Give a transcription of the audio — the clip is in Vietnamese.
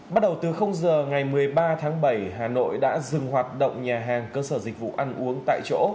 bắt đầu từ giờ ngày một mươi ba tháng bảy hà nội đã dừng hoạt động nhà hàng cơ sở dịch vụ ăn uống tại chỗ